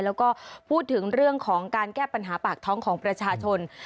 แล้วก็พูดถึงเรื่องของการแก้ปัญหาปากท้องของประชาชน